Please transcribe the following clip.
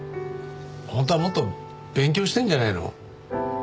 本当はもっと勉強したいんじゃないの？